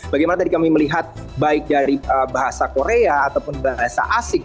bagaimana tadi kami melihat baik dari bahasa korea ataupun bahasa asing